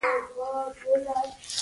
بندي سرده